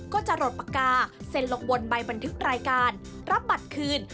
ก็จะหลดปากกาเซ็นลงบนใบบันทึกรายการรับบัตรคืน